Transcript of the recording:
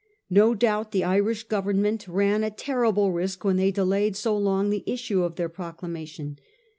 No doubt the Irish Government ran a terrible risk when they delayed so long the issue of their proclamation.